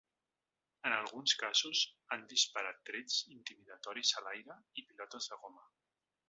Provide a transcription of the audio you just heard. En alguns casos, han disparat trets intimidatoris a l’aire i pilotes de goma.